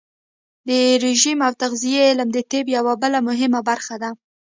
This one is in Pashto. د رژیم او تغذیې علم د طب یوه بله مهمه برخه ده.